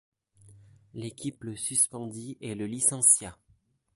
L'équipe le suspendit et le licencia.